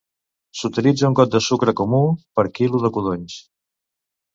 S'utilitza un got de sucre comú per quilo de codonys.